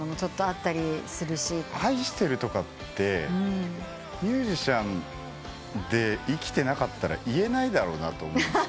「愛してる」とかってミュージシャンで生きてなかったら言えないだろうなと思うんです。